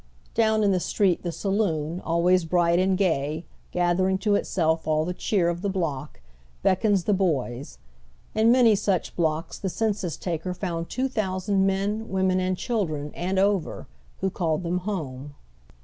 Down in the street the saloon, always bright and gay, gathering to itself all the cheer of the block, beckons the boys. In many such blocks the censns tal; er found two thousand men, women, and chil dren, and over, who called them home.